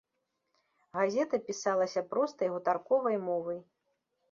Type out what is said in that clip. Газета пісалася простай гутарковай мовай.